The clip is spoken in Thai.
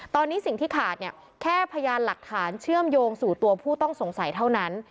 ตอนนี้สิ่งที่ขาดเนี่ยแค่พยานหลักฐานเชื่อมโยงสู่ตัวผู้ต้องสงสัยเท่านั้น